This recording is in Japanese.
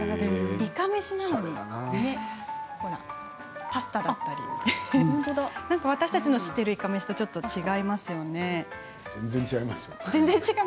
イカめしなのにパスタだったり私たちの知っているイカめしとは違いますよね。